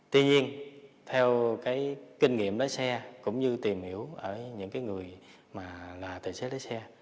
tuy nhiên theo cái kinh nghiệm lái xe cũng như tìm hiểu ở những người mà tài xế lái xe